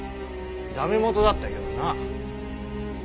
駄目元だったけどな。